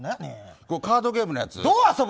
カードゲームのやつ？